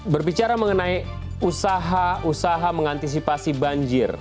berbicara mengenai usaha usaha mengantisipasi banjir